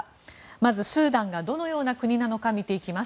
まずスーダンがどのような国か見ていきます。